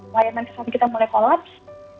layanan kesehatan kita mulai kolaps